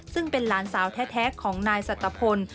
ซึ่งเป็นหลานสาวแท้ของนายสัตวพล